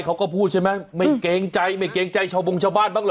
เขาก็พูดใช่ไหมไม่เกรงใจไม่เกรงใจชาวบงชาวบ้านบ้างหรอ